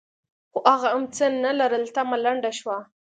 خو هغه هم څه نه لرل؛ تمه لنډه شوه.